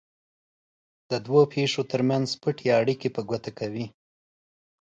د دوو پېښو ترمنځ پټې اړیکې په ګوته کوي.